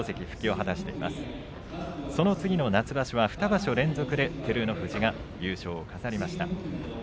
そしてその前の夏場所２場所連続で、照ノ富士が優勝を重ねました。